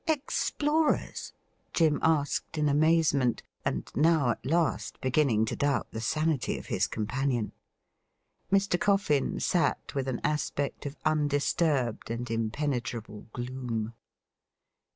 ' Explorers .?' Jim asked in amazement, and now at last beginning to doubt the sanity of his companion. Mr. Coffin sat with an aspect of undisturbed and impenetrable gloom.